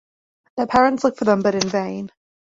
Their parents look for them but in vain.